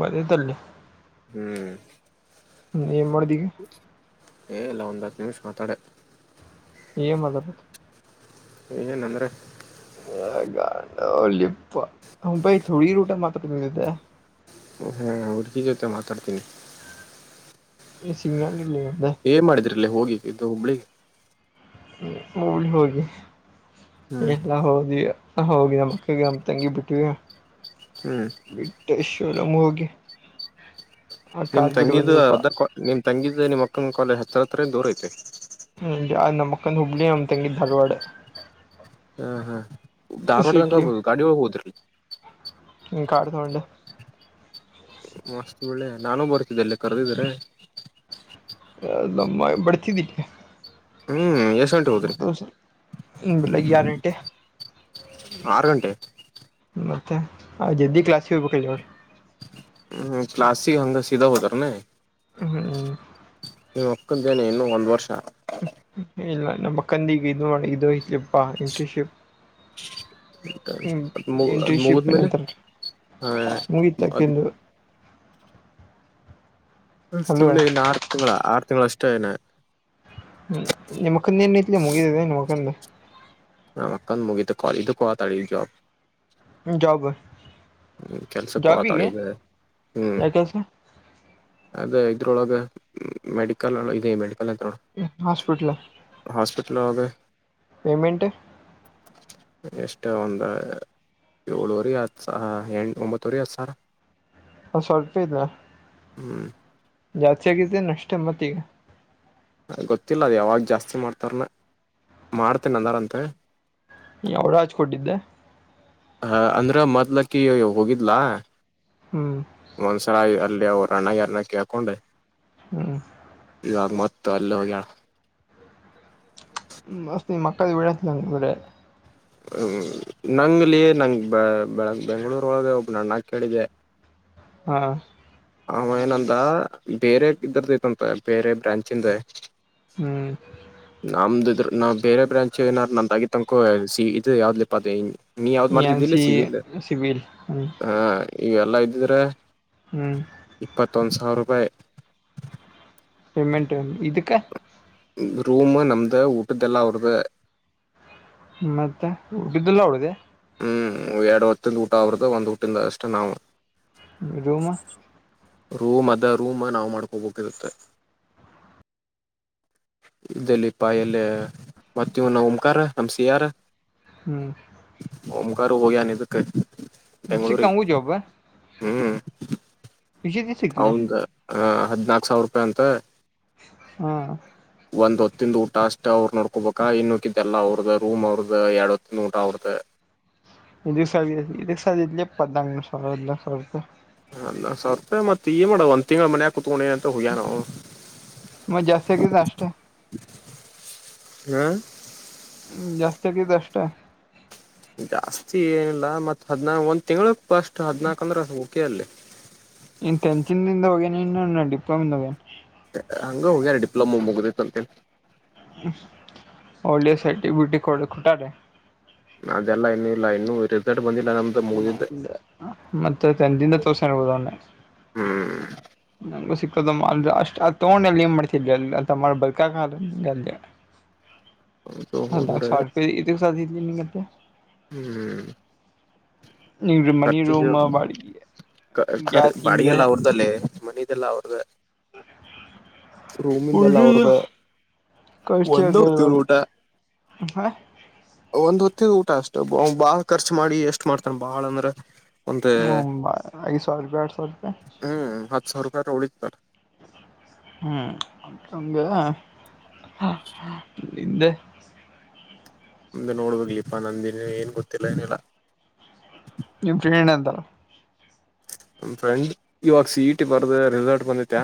ಬದೇ ತಲ್ಲ ಹ್ಮ್ ್ಮ ನೀನ್ ಮಾಡ್ದಿಗೆ ದನ್ಯೂಷ ಮಾತಾಡ ಹೇ ಮಲಬ ಏನಂದ್ರೆ ಗಂಡ ಲಿ ಪ ಅವನು ಬೈತೂ ಈ ರೂಟು ಮಾತ್ರಿದೆ ಹಾ ಹುರ್ಕಿ ಜತೆ ಮಾತಾಡತೀನಿ ಎ ಸಿಗ ನ ಇಲ್ಲಿ ಏನ್ ಮಾಡಿದ್ರಿ ಅಲ್ಲೇ ಹೋಗಿದು ಹುಬ್ಬಳಿಗೆ ಳ ಹೋಗಿ ಹ್ಮ್ ಎಲ್ಲ ಹೌದಿಯಾ ಹೋಗಿ ನಮ್ಮ ಅಕ್ಕಗೆ ನಮ್ ತಂಗಿ ಬಿಟ್ಟಿವಿ ಹ್ಮ್ ಬಿಟೇಶ್ ಲಮ್ಮುಹೋಗೆ ನಿಮ್ ತಂಗಿದು ಅದ್ ಅರ್ಧ ನಿಮ್ ತಂಗಿದು ನಿಮ್ಮ್ಕ್ಕನ ಕೊಲೆ ಹತ್ರ ಹ ದೂರ ಐತೆ ಕಲ್ಲುಬ್ಳಿ ನಮ್ ತಂಗಿ ಧಾರವಾಡ ಹಾ ಹಾ ಧಾರ್ವಾಡ್ದಂಕ ಸಿಟಿಯು ಆಗ್ಬದು ಗಾಡಿ ಒಳ ಹೋದ್ರಿ ಹ ಕಾಡತೊಂಡ ಮಸ್ತ್ ಒಳ್ಳೆ ನಾನು ಬರ್ತಿದ್ದೆಲ್ಲಿ ಕರೆದಿದ್ರೆ ಏ ನಮ್ಮ ಬಡುತಿದ್ದಿ ಹ್ಮ್ ಎಷ್ಟ್ ಗಂಟೆ ಹೋದ್ರಿ ಮುದ್ದಾಸ ಲ್ಲ ಯಾರ ಗ್ಯಾರಂಟಿ ಆರು ಗಂಟೆ ಮತ್ತೆ ಅದುದ್ದಿ ಕ್ಲಾಸ್ ಕೇಳಬೇಕು ಈಗ ಹ್ಮ್ ಕ್ಲಾಸಿ ಹಂಗ ಸೀಧಾ ಹೋದರೇನೇ ಹ್ಮ್್ಮ ನಿ ಮಕ್ಕಂದೇನೆ ಇನ್ನು ಒಂದ್ ವರ್ಷ ಇಲ್ಲ ನಮ್ಮಕ್ಕಂದಿಗೆ ಇ ವಾಡಿ ಇದು ಇಲಿಪ್ಪಾ ಇಂಟನ್ಶಿಪ್ ಇನ್ ಅದ್ ಮುಗ್ ಅದ್ ಇಂಟ್ರರ್ನ್ಶಿಪ್ ಮುಗಿದ್ಮೇಲೆ ಏನಂತಾರೆ ಹ ಅದ್ ಮುಗತಕಂದು ಅಲ್ವಾ ಸುಳಿ ಇನ್ನು ಆರು ತಿಂಗಳ ಆರು ತಿಂಗಳ ಅಷ್ಟ ಚನಾ ಹ್ಮ ನಿಮ್ಮಕ್ಕಂದ ನ್ ಇಲಿ ಮುಗಿದಿದೆ ನಿಮ್ಮಕ್ಕಂದ್ ನಮ್ ಅಕ್ಕನ್ ಮುಗಿತು ಕ ಇದಕ್ಕೋ ಇದು ಕೊತಳೆ ಈ ಜಾಬ್ ಹ್ಮ್ ಜಾಬ್ ಹ್ಮ್ ಕೆಲ್ಸಕ್ ಜಾಬಿಗೆ ಕೋತಾಳಿಗ ಹ್ಮ್ ಯಾವ ಕೆಲಸ ಅದ ಇದ್ರೊಳಗ ಮೆಡಿಕಲ್ ಇದೆ ಮೆಡಿ ಹಾಸ್ಪೆಟ್ಲು ಲೋಗ ಪೇಮೆಂಟ್ ಎಷ್ಟ ಒಂದ ಏಳುವರಿ ಆತ್ತು ಆ ಎಂಟು ಒಂಬತ್ತುವರಿ ಅ ಸರ ಹ ಸ್ವಲ್ಪ ಇದ್ನ ಹ್ಮ್ ಜಾಸ್ತಿ ಆಗಿದ್ದೆ ಅಷ್ಟೆ ಮತ್ತ ಈಗ ಗೊತ್ತಿಲ್ಲ ಅದು ಯಾವಾಗ ಜಾಸ್ತಿ ಮಾಡ್ತಾರನ ಮಾಡ್ತೇನೆ ಅಂದಾರಂತೆ ಯಾವಳ ಹಚ್ ಕೊಟ್ಟಿದ್ದೆ ಹ ಅಂದ್ರ ಮೊದ್ಲಕ್ಕಿ ಹೋಗಿದ್ಲಾ [unintelligible] ಹ್ಮ್ ಮನ್ಸರಾಯ್ ಅಲ್ಲಿ ಅವ ಪ್ರಾಣ ಯಾರನ ಕೇಳ್ಕೊಂಡು ಹ್ಮ್ ಮೊತ್ತ ಅಲ್ಲ ಹೋಗ ಮಸ್ ನೀ [unintelligible] ಮಕ್ಕದ ವಡ ನಂಗ ಕ ಹ್ಮ ನಂಗ್ಲಿ ನಂಗ ಬೆಳಗ್ ಬೆಂಗ್ಗಳೂರ್ ಒಳಗೆ ಒಬ್ ನಾನ ಕೇಳಿದೆೆ ಹಾ ಅವ ಏನಂದ ಬೇರೆ ಇದರ ಐತೆಂತೆ ಬೇರೆ ಬ್ರಾಂಚಿಂದ ಹ್ಮ್ ನಮ್ದ ಇದ್ರ ನಾವವು ಬೇರೆ ಬ್ರಾಂಚ್ ಏನಾರ ನ ತಗಿ ತನ್ಕ ಸಿ ಇ ಯಾವ್ದ್ಲಪ ಅದು ನ್ ಸಿ ಸಿಬಲ್ ಈವೆಲ್ಲಾ ಇದ್ದಿದ್ರೆ ಹ್ಮ್ ತ್ತೊಂದು ಸಾವ ರೂಪಾಯಿ ಪಮೆಂಟ್ ಇದುಕ್ಕ ರೂಮ ನಮ್ದ ವಊಟದಲ್ಲಾ ಅವೃದ ಮತ್ತೆ ಉಡುಬಿದ್ದಲ್ಲ [unintelligible] ಅವಡ್ದ ಹ್ಮ್ ಎರಡು ಹೊತ್ತಂದು ಊಟ ಅವರದು ಒಂದ್ ಊಟಿಂದ ಅಷ್ಟೇ ನಾವು ರೂಮ್ ಅದ ರೂಮ್ ನಾವು ಮಾಡ್ಕೋಬೇಕಿರುತ್ತೆ ಇದಲ್ಲಿ ಪ ಎಲ್ಲ ಮತ್ತ ಇವ ನ ಉಮಕಾರ ನಮ್ಸಿಯಾರ್ ಹ್ಮ್ ಓಂಕಾರ ಹೋಗ್ಯ ನಿ ಇದಕ್ಕೆ ಬೆಂಗಳೂರಿಗೆ ಹ್ಮ್ ಅವಂದ ಹದ್ನಾಕು ಸಾವಿರ ರೂಪಾಯಿ ಅಂತ ಹಾ ಒಂದ್ ಹೊತ್ತಿಂದ ಊಟ ಅಷ್ಟ ಅವರು ನೋಡ್ಕೋಬೇಕಾ ಇನ್ನುಕ್ಕಿದ್ದೆಲ್ಲ ಅವ್ರದ ರೂಮ್ ಅವ್ರದ ಎರಡ್ ಹೊತ್ತಿಂದ ಊಟ ಅವ್ರದ್ದ ಇದು ಸದು ಸ [unintelligible] ಪಂಗ ಸರ ಇ ಸರ ಹ ಸಾವಿರ ರೂಪಾಯಿ ಮತ್ತ ಈಏ ಮಾಡ ಒಂದ್ ತಿಂಗಳ ಮನೆಗೆ ಮ ಜಾಸ್ ಜಷ್ಟ ಹ್ಮ್ ಹ್ಮ್ ಜಾಸ್ತ [unintelligible] ಕತ್ತು ಅಷ್ಟ ಜಾಸ್ತಿ ಏನಿಲ್ಲ ಮತ್ ಹದ್ನ ಒಂದ್ ತಿಂಗಳು ಫಸ್ಟ್ ಹದ್ ನಾಕ್ ಅಂದ್ರ ಹಸು ಕಲ್ [inaudible] ಇನ್ ಟೆಂತ್ [unintelligible] ದ ಹೇ ಇ ಡಿಪ್ಲೋಮಿೇ ಲಮ್ಮ ಮುಗದ ಅಂತೆ [unintelligible] ಳಿಯ ಸೈ ಬ್ಯುಟಿ ಕಡ ಕುುಟಾರೆ ಅದೆಲ್ಲ ಇನ್ನೂ ಇಲ್ಲ ಇನ್ನ ಉ ಮತ್ತೆ ದಿಂದ ತೋರ್ಸ ಹಬೋದ ಅವನ್ನೆ ಹ್ಮ್ ನಗೂ ಸಿ ಅಷ್ಟ್ ಆ ತೋೊಂಡಲ್ಲಿ ಮಾಡ್ತಿದ್ರ ಅ ಬರ್ಕಕ್ ಅ ಅದು ಅದಾ ಹೋದ್ರೆ ಶರ್ ಇದು ನಿಗತ್ತ ಹ್ಮ್ ನಿಂಗೆ ಮನಿ ರೂಮ್ ಖರ್ಚಿಗೆರ್ ಬಾಡಿಗೆ ಗ್ಯಾಸಿಂದ ಬಾಡಿಗೆಲ್ಲ ಅವ್ರ್ದಲ್ಲೇ ಮನದೆಲ್ಲ ಅವ್ರ್ದ ಹ ರೂಮಿಂದ ಎಲ್ಲ ಅವ್ರ್ದ ಕಚ ಅಗ ಹ ಒಂದ್ ಹೊತ್ತಿದ ಊಟ ಅಷ್ಟು ಬಾಳ್ ಖರ್ಚಚ್ ಮಾಡಿ ಎಷ್ಟ್ ಮಾಡ್ತನ್ ಬಾಳ ಅಂದ್ರ ಒಂದ್ ಹ್ಮ ಅಐ ಸಾವ ರೂಪೆ ಆ ಸಾವ ರೂಪೆ ಸರ್ಕಾರ ಳಿತತ ಹ್ಮ್ಂಗ ಇ ಮುಮ್ದೆ ನೋಡ್ಬೇಕ ಲೀಪಾ ನಂದಿನ ಏನ್ ಗೊತ್ತಿಲ್ಲ ಏನೆಲ್ಲಾ ನಿಮ್ ಪ್ರೇಂಡ ಅಂತಲ್ಲ ಫ್ರೆಂಡ್ ಇವಾಗ ಸೀಟ್ ಬರ್ದೆ ರಿಸಲ್ಟ್ ಬಂದೈತ್ಯಾ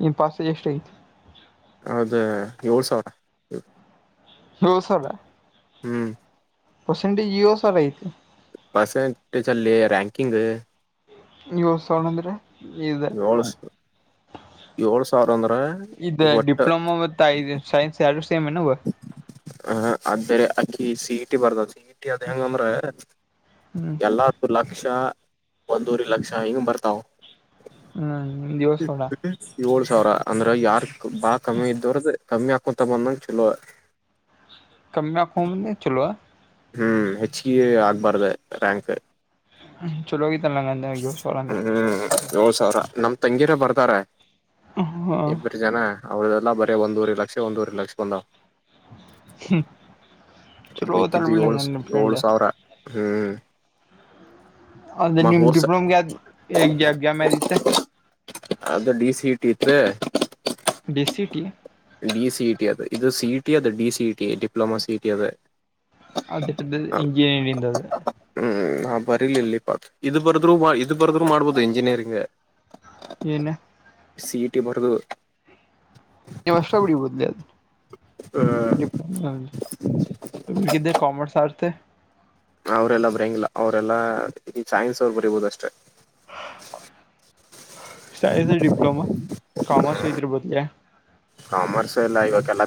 ನಿನ್ ಪಾಸ್ಜ ಎಷ್ಟ ಆಗತಿ ಅದೇ ಏಳ್ ಸಾವಿರ ರೌಸರ ಹ್ಮ್ ಪರ್ಸೆಂಟೆಜ ಇಒ ಸ ರಯತಿ ಪಸೆಟ್ ಚಲ್ಲೆ ರ್ಯಾಕಿಂಗ ತ್ ಸಾವಿರ ಅಂದ್ರೆ ಇದು ಏಳ್ ಏಳ್ ಸಾವಿರ ಅಂದ್ರ ಇದು ಈಗ ಡಿಪ್ಲೊಮಾ ಮ ಐದು ಸೈನ್ಸ್ ಯಡು ಹ ಅ್ದೇರೆ ಅಕ್ಕಿ ಸೀಟಿ ಬರ್ದ ಸಿ ಟ್ಟಿ ಅದ ಹೆಂಗಂದ್ರೆ ಹ್ಞೂ ಎಲ್ಲು ಲಕ್ಷ ಒಂದೂರಿ ಲಕ್ಷ ಹಿಂಗ ಬರ್ತಾವ ಹ್ಮ್ ರ್ಷ ಸರ ಅಂದ್ರೆ ಯಾರು ಬಾ ಕಮ್ಮಿ ಇದ್ದ್ರದ ಕಮ್ಮಿಯಾ ಕೊತ ಬಂದ ಚಲೋ ಕಮ್ಮಿ ಹಾಕೊಂಬಂದೆ ಚಲೋ ಹ್ಮ್ ಹೆಚ್ಚಿಗೆ ಆಗ್ಬಾರ್ದ ರ್ಯಾಂಕ್ ಚಲೋಗಿ ತರಲ್ಲಂಗ ಅಷಲಂದ ನಮ ತಂಗಿರ ಬರ್ತಾರ ಹಾಂ ಇಬ್ಬರು ಜನ ಅವಳದ ಅಲ್ಲ ಬರೀ ಒಂದೂ ರಿ ಲಕ್ಷ ಒಂದೂರಿ ಲಕ್ಷ ಬಂದ ಚಲೋ ಓದಲ್ಲ ಹಾದ್ದು ಬಿಡ್ಲಿ ಏಳು ಹಂಗಂದ್ರೆ ನಿಮ್ಮ ಏಳು ಫ್ರೆಂಡ್ ಸಾವಿರ ಹ್ಮ್ ಅದ್ರೆ ಮ ನಿಮ್ ಹೋರ್ಸ ಡಿಪ್ಲೋಮ ಎಗ ಮ್ತೆ ಅದು ಡಿ ಸಿ ಇಟ್ಟ ಇತ್ ಬಿಸಿಟಿ ಡಿ ಸಿಇ ಟಿ ಅದು ಇದು ಸಿ ಟಿ ಅದ ಡಿ ಸಿಇಟಿ ಡಿಪ್ಲೊಮ ಸಿಇಟಿ ಅದ ಅದು ಇಜಿಯ ಇಂದ ಬರಿರ್ಲ ಪಾ ಇದು ಬರ್ದ್ರು ಇದು ಬರ್ದ್ರು ಮಾಡ್ಬೋದು ಎಂಜಿನಿಯರಿಂಗ್ ಏನು ಸಿಇಟಿ ಬರ್ದು ಸಗಿ ಬದಲ ಕ ಕಾಮರ್ಸ್ ಆಡ್ಸ್ ಅವರೆಲ್ಲ ಬರಯಂಗಿಲ್ಲ ಅವರೆಲ್ಲಾ ಈ ಸೈನ್ಸ್ ಅವ್ರ ಬರಿಬೋದಷ್ಟೆ ಸ ಡಿಪ್ಲೋಮಾ ಕಾಮರ್ಸ್ ಇದ್ರ ಬದಲ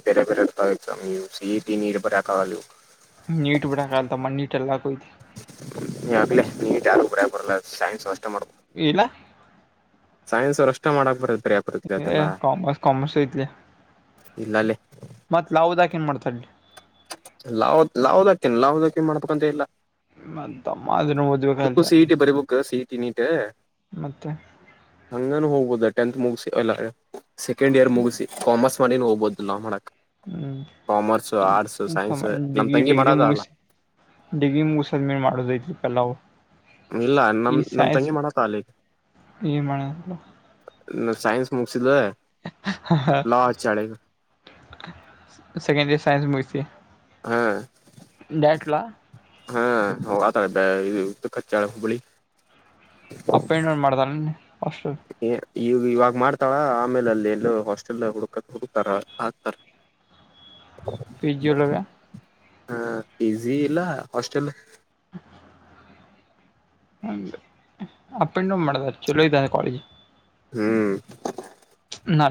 ಬ ಬ ಸ ಸಿಟಿ ಬರೆದಾಗ ಇವು ನೀಟ ಬಿಡ ಕಾಲತಮ್ಮ ನೀಟ ಎಲ್ಲಾಯತಿ ನಿ ಟ ಗಿ ನೀ ಬರೆಯಕ್ ಬರಲ್ಲ ಸೈನ್ಸ್ ನಷ್ಟ ಮಾಡದು ಇಲ್ಲ ಸೈನ್ಸ್ ಅವರು ಅಷ್ಟೇ ಮಾಡಕ್ ಬರತ್ತದು ಕಾಮರ್ಸ್ ಕಾಮರ್ಸ್ ಐತಲಾ ಇಲ್ಲಲ್ಲೇ ಮತ್ ಲಾದಾಕ ಏನ್ ಮಾಡ್ತಿ ಲಾವ ಲಾವುದಾಕನ್ ಲಾವದಾಕನ್ ಮಾಡ್ಕೊಂತ ಇಲ್ಲ ಮದ ಅ ಸಿಈಟಿ ಬರ್ಬೇಕಕ್ ಸಿಈಟಿ ನೀಟ ಮತ್ತೆ ಹಂಗಾನ ಹೋಗ್ಬೋದ ಅ ಟಂತ್ ಮೂಗಿಸಿ ಒಲೆ ಸೆಕೆಂಡ್ ಇಯರ್ ಮುಗಿಸಿ ಕಾಮರ್ಸ್ ಮ ಹೋಗ್ದಿಲ್ಲಾ ಮಾಡಕ್ ಹ್ಮ್ ಕಾಮರ್ಸ್ ಆರ್ಟ್ಸ್ ಸೈನ್ಸ್ ನಮ್ ಡಿಗ್ರಿ ತಂಗಿ ಡಿಗ್ರಿ ಮಾಡದ ಅಲ್ಲ ಮುಗಿಸಿ ಡಿಗ್ರಿ ಮುಗಿಸದ ಮೇನ್ ಮಾಡೋದಐತ್ರಿ ಪಲ್ಲ ಇಲ್ಲ ನಮ ನಮ ತಂಗಿ ಮಾಡತ್ತ ಲ್ಲ ಈಗ ಏನ್ ಮಾಡ ನ ಸೈನ್ಸ್ ಮುಗಿಸಿದ್ದಲ ಸೆಕೆಂಡ ಸೈ ಮುಗಿಸಿ ಹಾ ಡ್ಯಾಟ್ಲ ಹಾ ಆತಾಳ ಇದು ಕಚ್ಚಾಳ ಹುಬ್ಬಳಿ ಅಪ್ಪ ಇನ್ನೂರು ಮಾಡ್ದಳ ಹಷ್ಟಟರು ಈಗ ಇವಾಗ ಮಾಡ್ತಳ ಆಮೇಲೆ ಅಲ್ಲಿ ಎಲ್ಲ ಹಾಸ್ಟೆಲ್ ಹುಡುಕತ್ ಹುಡುಕ್ತಾರ ಹಾಕ್ತಾರ ಪಜಜುಲ್ಲ ಹ ಈಸಿ ಇಲ್ಲ ಹಾಸ್ಟೆಲ್ [inaudible] [unintelligible] ಹ ಅಪ್ಪ ಇನ್ನೂ ಮಾಡದ ಚಲೋ ಇದ್ದ ಕಾಲೇಜ್ ಹ್ಮ್ ನಾ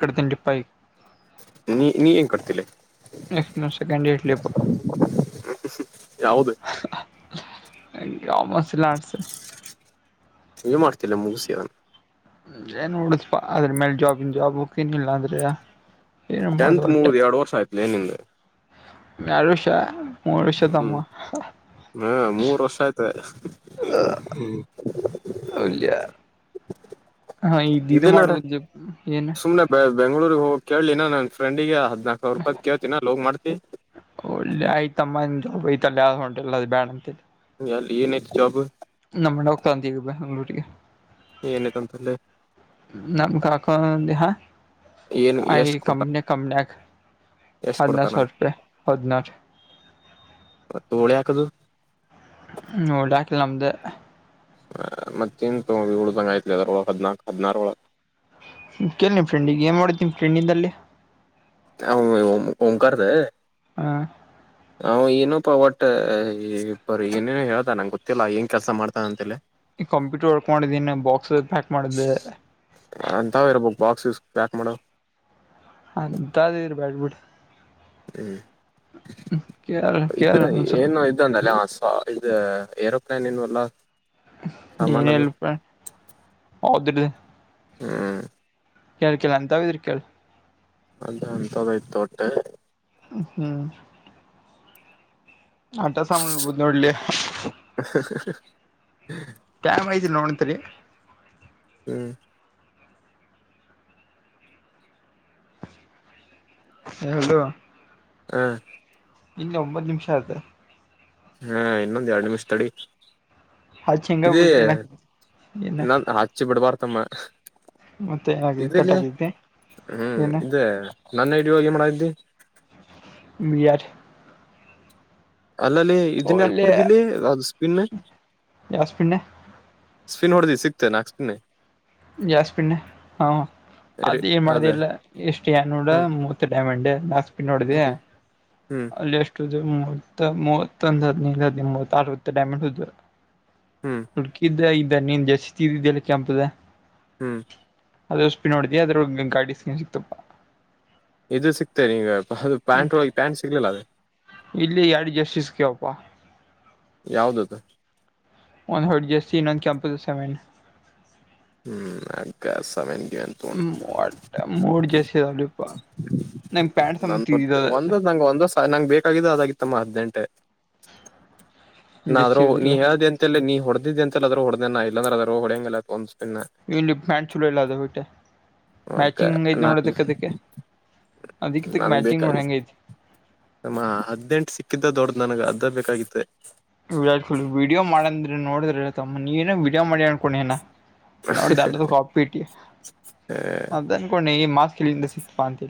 ನಡ ತಿ ಪೈ ನೀ ನೀ ಏನ್ ಕಡ್ತಿಲ್ಲ ನೆಕ್ಸ್ಟ್ ನಾನು ಸೆಕೆಂಡ್ ಇಯರ್ ಲಿಪ ಯಾವುದು ಮಸಲ್ಲ ಆಡ್ಸ ನೀ ಮಾಡ್ತಿಲ್ಲ ಮುಗಸಿದನ್ ಏನ್ ನೋಡಸ್ಪಾ ಅದ್ರ ಮೇಲೆ ಜಾಬನ್ ಜಾಬ್ಕ ಏನಿಲ್ಲ ಅಂದ್ರೆ ಏನು ಟೆಂತ್ ಮೂದ ಎರಡ್ ವರ್ಷ ಆಯ್ತು ಏನಿಲ್ಲ ನಷ ಹ್ಮ್ ಹಾ ಮೂರು ವರ್ಷ ಆಯ್ತ ಹ್ಮ್ ಒಳ್ಳೆ ಹಾ ಇದ್ ಇದು ಇದೇನಾರ ಮಾಡುವುದು ಏನು ಸುಮ್ನೆ ಬೆ ಬೆಂಗ್ಗಳೂರ್ಗ್ ಹೋಗ ಕೇಳಿಿನ ನನ್ ಫ್ರೆಂಡಿಗೆ ಹದ್ನಾಾಕಕ್ ಸಾವಿರ ರೂಪಾಯಿ್ ಕೇಳ್ತಿನಲ್ಲ ಹೋಗ್ ಮಾಡ್ತಿ ಬಯತಲ್ಲಿ ಯ ಆದ ಹೊಂಟಲ್ಲ ಅದು ಬ್ಯಾಡ ಅಂತಲ್ಲಿ ಯಲ್ಲಿ ಇಏನ ಜೊಬ್ ನಮ್ಮ ನಕಾಂತಗ ಬೆಂಗ್ಳೂರಿಗೆರಿಗೆ ಏನೈತಿ ಅಂತಲ್ಲಿ ನಮ ಆಕ ಹ ಆ ಕಮ್ಮ ಕಮ್ಮನ ಎಷ್ಟ ಕೊಡ್ತಾರ ಹದಿನಾರು ಮೋಳಿ ಹಾಕದು ಹ್ಮ ಡಾಕ ನಮ್ದ ಮತ್ತೇನ್ ತ ಳುದಂಗ ಆಯ್ತ್ಲಿ ಅದರೊಳ ಹದ್ನಾಕಕ್ ಹದ್ಿನಾರ ಒಳಗೆ ಕೇಳ ನಿಮ್ ಫ್ರೆಂಡ್ ಈಗ ಏನ್ ಮಾಡುತ್ತ ನಿಮ ಫ್ರೆಂಡಿಂದಲ್ಲಿ ಹ ಂಕಾರದ ಹ ಹ ಏನು ಪ್ಪ ಒಟ್ಟ ಬ ಏನೇನು ಹೇಳ್ದ ನಂಗೆ ಗೊತ್ತಿಲ್ಲಾ ಏನ್ ಕೆಲಸ ಮಾಡ್ತಾನ ಅಂತ ಹೇಳ ಈ ಕಂಪ್ಯೂಟರ್ ವರ್ಕ್ ಮಾಡಿದೀನ ಬಾಕ್ಸ್ ಪ್ಯಾಕ್ ಮಾಡಿದ್ದೆ ಬಾಕ್ಸಸ್ ಪ್ಯಾಕ್ ಮಾಡು ಅಂತದ್ ಇರ್ಬ್ಯಾಡ್ ಬಿಡ್ ಹ್ಮ್, [unintelligible] ಕೇಳ ಕೇಳ ಇದು ಒಂದ್ಸಲ ಏನು ಇದದು ಅಂದಲ್ಲ ಆಸ್ ಹ ಇದು ಏರೋ ಪಲೇನ್ ಏವಲ್ಲ [inaudible] ಏನಲ್ಪ ಹೌದ್ರ [unintelligible] ಹ್ಮ, ಕೇಕೆಲ್ಲ ಅಂತಾವ ಇದರ್ಕ [unintelligible] ಅದ ಅಂತದಯ್ತು ಒಟ್ಟೆಗ, - ಹ್ಮ್, ಆಟ ಸಬೋದು ನೋಡ್ಲಿ, - ಹ್ಮ [inaudible] ಕಾಮ್ರಾ ಇದ್ದ ನೋಡಂತರಿ [unintelligible] ಹ್ಮ್, ಹೇಳದು [inaudible] ಹ್ಮ [unintelligible] ಇಲ್ಲಿ ಒಂಬತ್ತು ನಿಮಿಷ ಆಯತೆ. - ಹ್ಮ, ಇನ್ನೊಂದುಎರಡ್ ನಿಮಿಷ ತಡಿ. ಹಚ್ ಹೆಂಗ - ಇದೇ ಬಿಟ್ರಿ ಏನ ನಾನ್ ಹಚ್ಚಿ ಬಿಡ್ಬಾರತಮ್ಮ. - ಹ ಮತ್ತೆ [inaudible] ಏನಾಗಿದೆ ಕಟ್ ಇದಲ್ಲಿ ಆಗೈತಿ ಹ್ಮ್, ಏನ ಇದೆ ನನ್ನ ಇಡ ಹೋಗ ಮಾಡಿದ್ದಿ, - ಎಯಾರ [unintelligible] ಅಲ್ಲಲ್ಲಿ ಇದನ್ನ ಹಾಕ್ ಬಾಡ್ದಿಲ್ಲಿ ಅದು ಸ್ಪಿನ್, - ಯಾಸ್ಪಿನ್ನ ನ್ ಹೊಡ್ದಿ ಸಿಕ್ತತೆ ನಾಕ್ಸ್ಪಿನಿ, - ಜಾಸ್ಪಿನ್ ಹ, ರಿ ಅದ ಏನ್ ಅದೇ ಮಾಡುದಲ್ಲ ಎಷ್ಟು ನೋಡ ಹ್ಮ್ ಮೂತ್ ಡೈಮಂಡೆ, - ಬಸ್ [inaudible] ನ್ನೋಡಿದ ಹ್ಮ್ ಹ್ಮ್ [unintelligible] ಅಲ್ಲಿ ಎಷ್ಟು. - ಮೂವತ್ ಮೂವತ್ತೊಂದು ಹದ್ ಹದ್ಿ [unintelligible] ಮೂವತ್ ಅರವತ್ತು ಡೈಮಿಟ್ ಹದು ಹ್ಮ್ ುಡುಕ ಇದ್ದಐ [inaudible] ನೀನ್ ಜಸ್ತಿ ಇದಿದ್ದಲ್ಲಿ ಕೆಂಪದ,. - ಹ್ಮ್, ಅದ ಉಸಪಿ ನೋಡ್ದ ಅದ್ರ ಗಾಡಿಸ್ಕೊಂಡನ್ ಸಿಕ್ತಪ್ಪಾ,. - ಇದು ಸಿಗ್ತೇನೆ ಈಗ. - ಅದು ಪ್ಯಾಂಟ್ ಒಳಗೆ ಪ್ಯಾಂಟ್ ಸಿಗ್ಲಿಲ್ಲ ಅದೇ ಇಲ್ಲಿ ಎರಡು ಜರ್ಸಿ ಸಿಕ್ಯಾವಪ್ಪ ಯಾವ್ದದು. - ಒಂದ್ ಹೊಡ್ ಜಾಸ್ತಿ ಇನ್ನೊಂದ ಕೆಂಪ. ದಸಾಮನ್ [unintelligible] ಹ್ಮ್, ಅ ಸಮ [unintelligible] ಮ ಮೂರ ಜಸ [inaudible] ಸ [inaudible] ನ ಒಂದ ನಂ ಒಂದಷ್ಟ [unintelligible] ನಂಗೆ ಬೇಕಾಗಿದ್ದ ಅದಾಗಿತ್ತಮ್ಮ ಹದಿನೆಂಟೆ. - ನಾ ಜರ್ಸಿ ಆದ್ರೂ ನೀ ಇದಿಲ್ಲ ಹೇಳ್ದಿ ಎಂತಲ್ಲ ನೀ ಹೊಡದ್ದ ಇದ ಅಂತಲ್ಲ ಅ್ರರು ಹೊಡೆದನ ಇಲ್ಲಂದ್ರ ಅದ್ರ ಹೊಂಗಲ್ಲ ಇಲ್ಲಿ ಮ್ಯಾಂ ಚಲೋ ಇಲ್ಲ ಅದುಟ್ಟ ಓಕೆ ಮ್ಯಾಚಿಂಗ್ ಹೆಂಗೈಐತಿ ನಾ ನೋಡ ಅದಕ್ಕ ಅದಕ್ಕೆ ಅದಕ್ಕದಕ್ಕೆ ಮ್ಯಾಚಿಂಗ್ ನೋಡ ಹೆಂಗ ಐತಿ ಅಮ್ಮ ಹದ್ನೆಂಟು ಸಿಕ್ಕಿದ್ದ ದೊಡ್ದ್ ನನಗೆ ಅದ ಬೇಕಾಗಿತ್ತ ವಿರಾಟ್ ಕೊಹ್ಲಿ ವಿಡಿಯೋ ಮಾಡಂದ್ರೆ ನೋಡ್ರಿತಮ್ಮ ನೀವೇನ ವೀಡಿಯೋ ಮಾಡಿ ಅನ್ಕೋ ನ ನೋಡ್ದ [unintelligible] ಇಟ್ಟಿ ಅನ್ಕೊಂಡೆ ಈ ಮಾಸ್ ಇಲ್ಲಿಂದ ಸಿಕ್ಪಾ ಅಂತ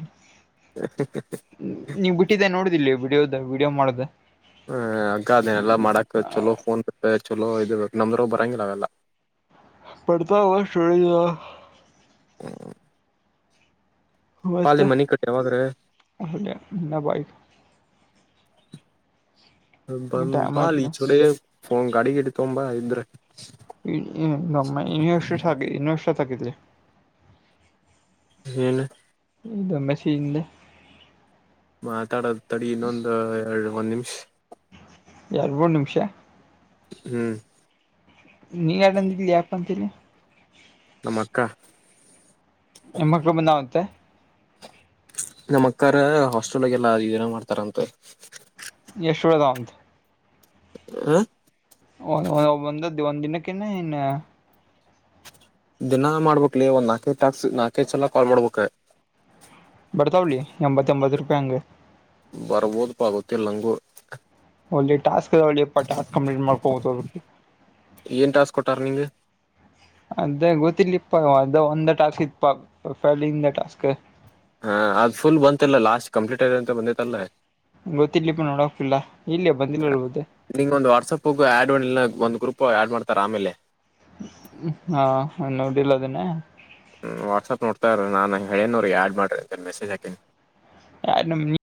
ನೀವ ಬಿಟ್ಟಿದ್ದೆ ನೋಡಿ ವಿಡಿಯೋದ ವಿಡಿಯೋ ಮಾಡ್ದ ಹ್ಮ [inaudible] ಇದ ಎಲ್ಲ ಮಾಡಕಕ್ ಚಲೋ ಫೋನ್ ಚಲ ಎಲ್ಲೋ ಇದರ್ ಬು ನಮ್ದ್ರ ಬರಂಗಿಲ್ಲ ಅವೆಲ್ಲ ಪಡತ ಹೇ [unintelligible] ಸ್ಟೋಡೆಜದ ಹ್ಮ [unintelligible] ಯಾವಾಗ್ರೆ [unintelligible] ಬಾಯ ಬ ಟೈಮ್ ಆಯ್ತು ಬಾಲಿಚರೆ ಹ ಗಾಡಿ ಗಿಡಿ ಅಂತ ತಗೋಬೋ ಇದ್ರೆ ಸಾಗತಿ [unintelligible] ಏನ [unintelligible] ಮಾತಾಡೋದ ತಡ ಇನ್ನೊಂದು ಎರಡು ಒಂದು ನಿಮ್ಷ ಎರ ಮೂರು ನಿಮಿಷ ಹ್ಮ್ ನೀಗಡನ್ ದಲಿ ಆ ತಲ್ಲಿ ಮಕ್ಕ ನಿಮ್ಮ ಮಕ್ಳು ಬಂದಾವಂತೆೆ ನಮ್ಮ ಅಕ್ಕಾರ ಹಾಸ್ಟೆಲ್ಗಲ್ಲ ಅನ ಮಾಡ್ತಾರಂತೆ [unintelligible] ಹ ಒಂದು ಒಂದು ದಿನಕ್ಕೆನ್ನ ಇನ್ನ ದಿನಾ ಮಾಡ್ಬಕ್ಲಿ ಒಂದ್ ನಾಲ್ಕೆ ಟ್ಯಾಕ್ಸ್ ನಾಲ್ಕೆ ಚಲ ಕಾಲ್ ಮಾಡ್ಬೇಕ ಬರ್ತಾವಲಿ ಎಂಬತ್ತ ಎಂಬತ್ತು ರೂಪಾಯ ಅಂಗ ಬರ್ಬೋದು ಪಾ ಗೊತ್ತಿಲ್ಲರಂಗರು ಒಳ್ಳ [inaudible] ಟಾಸ್ಕ್ ಟಾಸ್ಕ್ ಕಂಪ್ಲೀಟ್ ಮಾಡ್ಕೋಬಹುದು ಏನ್ ಟಾಸ್ಕ್ ಕೊಟ್ಟಾರ ನಿಂಗೆ ಅದೇ ಗೊತ್ತಿಲಿಪ್ಪ ಅದ ಒಂದ ಟಾಸ್ಕ್ ಇಪಾ [unintelligible] ಫೈಲ್ ಟಾಸ್ಕ್ ಹಾ ಅದ್ ಫುಲ್ ಬಂತಲ್ಲ ಲಾಸ್ಟ್ ಕಂಪ್ಲೀಟ್ ಯದೆ ಅಂತ ಬಂದೈತ್ತಲ್ಲ ಗೆ ಗೊತ್ತಿರ್ಲಿ ಪ ನೋಡಕ್ತಿಲ್ಲ ಇಲ್ಲಯ ಬಂದಿಲ್ಲರ್ಬುದ ನಿಂಗ್ ಒಂದ್ ವಾಟ್ಸಪ್ ಆಡ್ ಒಂದಿಲ್ಲ ಒಂದ್ ಗ್ರೂಪ್ ಆಡ್ ಮಾಡ್ತಾರ ಆಮೇಲೆ ಹಾ ಮನ್ನೋಡಿಲ್ಲ ಅದನ್ನೇ ಹ್ಞ ವಾಟ್ಸ್ಯಪ್ ನೋಡ್ತಾರೀ ನಾನು ಹೇಳೇನೋ ರೀ ಆ್ಯಡ್ ಮಾಡಿರಿ ಅಂತ ಮಸಜ್ ಹಾಕೀನಿ ಯಾರ